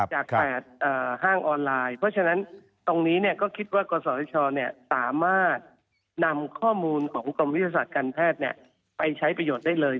จาก๘ห้างออนไลน์เพราะฉะนั้นตรงนี้ก็คิดว่ากศชสามารถนำข้อมูลของกรมวิทยาศาสตร์การแพทย์ไปใช้ประโยชน์ได้เลย